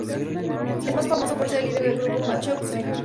Es más famoso por ser líder del grupo Matchbox Twenty.